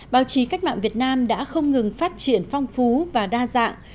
báo chí cách mạng việt nam đã không ngừng phát triển phong phú và đa dạng